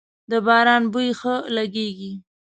د باران بوی ښه لږیږی